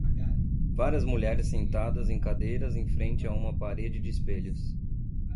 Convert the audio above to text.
Várias mulheres sentadas em cadeiras em frente a uma parede de espelhos.